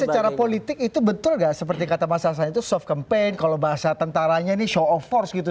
tapi secara politik itu betul nggak seperti kata mas hasan itu soft campaign kalau bahasa tentaranya ini show of force gitu